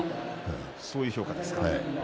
そういう評価ですか。